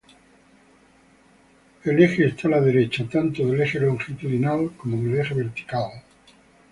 El eje está a la derecha tanto del eje longitudinal como del eje vertical.